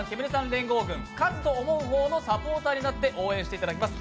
連合軍、勝つと思う方のサポーターになって応援していただきます。